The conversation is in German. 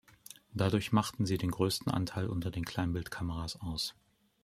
Dadurch machten sie den größten Anteil unter den Kleinbildkameras aus.